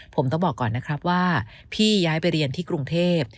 ผมต้องบอกก่อนนะครับว่าพี่ย้ายไปเรียนที่กรุงเทพ